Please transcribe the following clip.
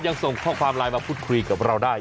ส่งข้อความไลน์มาพูดคุยกับเราได้